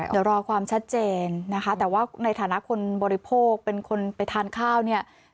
เดี๋ยวรอความชัดเจนนะคะแต่ว่าในฐานะคนบริโภคเป็นคนไปทานข้าวเนี่ย